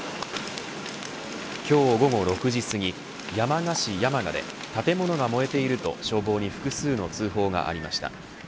今日午後６時すぎ山鹿市山鹿で建物が燃えていると消防に複数の通報がありました。